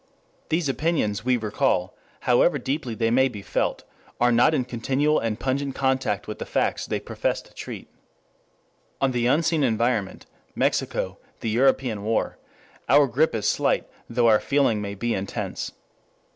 These opinions, we recall, however deeply they may be felt, are not in continual and pungent contact with the facts they profess to treat. On the unseen environment, Mexico, the European war, our grip is slight though our feeling may be intense.